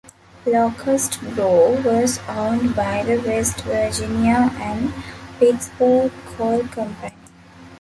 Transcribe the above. Locust Grove was owned by the West Virginia and Pittsburgh Coal Company.